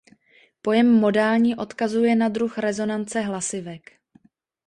Pojem "modální" odkazuje na druh rezonance hlasivek.